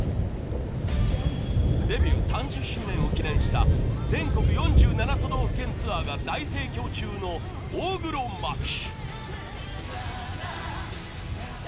デビュー３０周年を記念した全国４７都道府県ツアーが大盛況中の大黒摩季